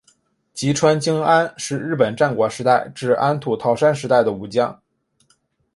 吉川经安是日本战国时代至安土桃山时代的武将。